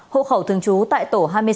hộ khẩu thường trú tại tổ hai mươi sáu